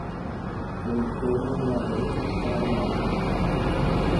Oikórõguare Paraguaýpe